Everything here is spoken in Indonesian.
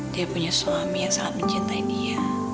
dia punya suami yang sangat mencintai dia